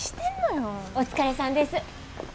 お疲れさんです。